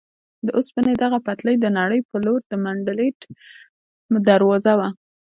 د اوسپنې دغه پټلۍ د نړۍ په لور د منډلینډ دروازه وه.